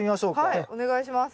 はいお願いします。